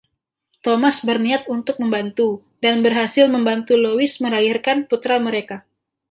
Thomas berniat untuk membantu dan berhasil membantu Lois melahirkan putra mereka.